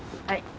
はい。